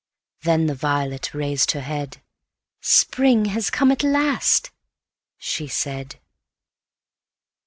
Then the violet raised her head,—"Spring has come at last!" she said.